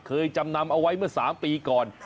จำนำเอาไว้เมื่อ๓ปีก่อน